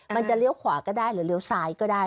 จะเลี้ยวขวาก็ได้หรือเลี้ยวซ้ายก็ได้